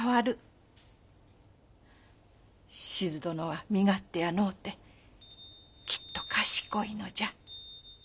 志津殿は身勝手やのうてきっと賢いのじゃ。